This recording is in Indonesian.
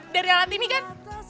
dari alat ini kan